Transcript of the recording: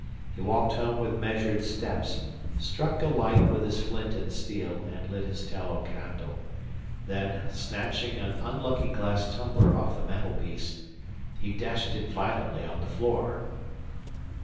He walked home with measured steps, struck a light with his flint and steel, and lit his tallow candle. Then, snatching an unlucky glass tumbler off the mantelpiece, he dashed it violently on the floor.